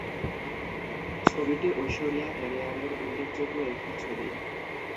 ছবিটি ঐশ্বরিয়া ক্যারিয়ারের উল্লেখযোগ্য একটি ছবি।